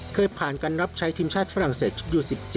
เคยผ่านการรับใช้ทีมชาติฝรั่งเศสชุดยู๑๗